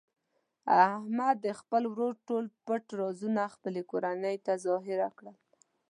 احمد د خپل ورور ټول پټ رازونه خپلې کورنۍ ته ظاهره کړل.